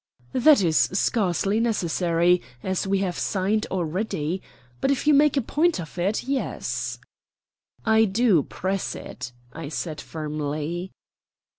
"That is scarcely necessary, as we have signed already. But if you make a point of it, yes." "I do press it," I said firmly.